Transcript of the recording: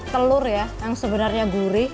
telur ya yang sebenarnya gurih